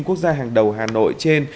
quốc gia hàng đầu hà nội trên